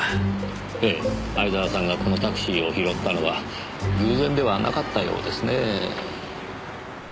ええ相沢さんがこのタクシーを拾ったのは偶然ではなかったようですねぇ。